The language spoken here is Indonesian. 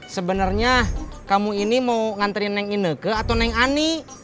sebenernya kamu ini mau nganterin yang ini ke atau yang ini